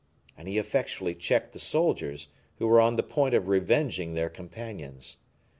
And he effectually checked the soldiers, who were on the point of revenging their companions.